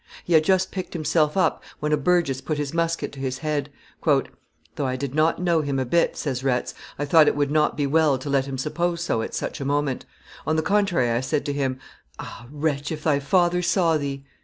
He had just picked himself up, when a burgess put his musket to his head. "Though I did not know him a bit," says Retz, "I thought it would not be well to let him suppose so at such a moment; on the contrary, I said to him, 'Ah! wretch, if thy father saw thee!